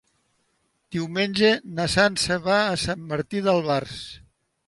Diumenge na Sança va a Sant Martí d'Albars.